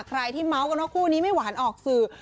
ใครที่เมาส์กันว่าคู่นี้ไม่หวานออกสื่อ